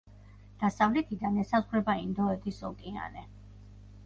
დასავლეთიდან ესაზღვრება ინდოეთის ოკეანე.